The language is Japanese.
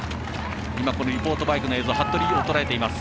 リポートバイクの映像は服部をとらえています。